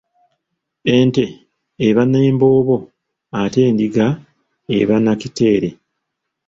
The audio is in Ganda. Ente eba n’emboobo ate endiga eba na kitere.